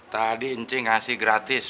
tadi incing ngasih gratis